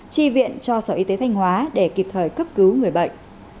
chi viện cho sở y tế thanh hóa để kịp thời cấp cứu người bệnh